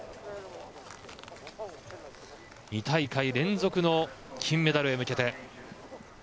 ２大会連続の金メダルへ向けて。